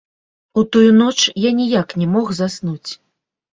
У тую ноч я ніяк не мог заснуць.